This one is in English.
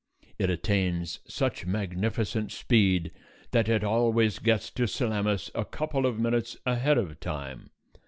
It attains such magnificent speed that it always gets to Salamis a couple of minutes ahead of time.